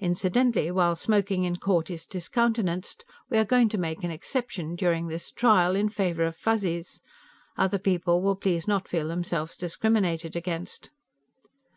Incidentally, while smoking in court is discountenanced, we are going to make an exception, during this trial, in favor of Fuzzies. Other people will please not feel themselves discriminated against."